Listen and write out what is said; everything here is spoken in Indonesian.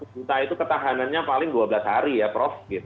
satu juta itu ketahanannya paling dua belas hari ya prof